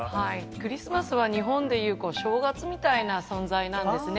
クリスマスは日本でいう正月みたいな存在なんですね。